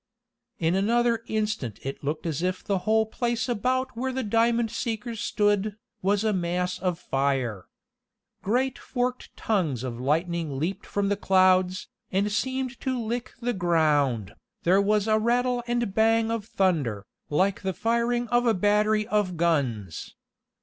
In another instant it looked as if the whole place about where the diamond seekers stood, was a mass of fire. Great forked tongues of lightning leaped from the clouds, and seemed to lick the ground. There was a rattle and bang of thunder, like the firing of a battery of guns.